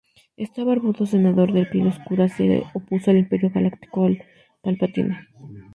Este barbudo senador de piel oscura se opuso al Imperio Galáctico y a Palpatine.